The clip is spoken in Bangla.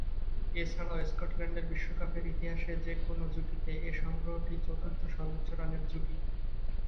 এছাড়াও স্কটল্যান্ডের বিশ্বকাপের ইতিহাসে যে-কোন জুটিতে এ সংগ্রহটি চতুর্থ সর্বোচ্চ রানের জুটি।